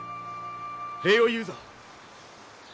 礼を言うぞ。